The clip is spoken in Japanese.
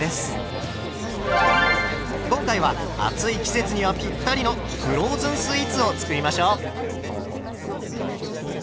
今回は暑い季節にはぴったりのフローズンスイーツを作りましょう。